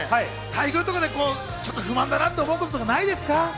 待遇とかで不満だなって思うことないですか？